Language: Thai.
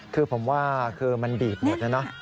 คือผมว่ามันบีบหมดนะ